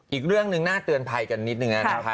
อีกเรื่องหนึ่งน่าเตือนไพกันนิดนึง